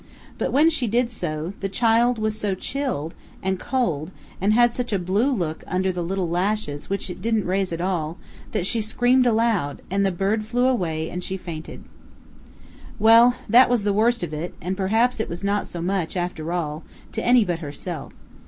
But when she did so, the child was so chilled and cold, and had such a blue look under the little lashes which it didn't raise at all, that she screamed aloud, and the bird flew away, and she fainted. Well, that was the worst of it, and perhaps it was not so much, after all, to any but herself.